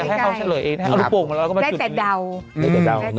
เวลาแบบหน้าสวย